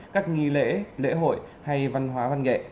các nghi lễ lễ hội hay văn hóa văn nghệ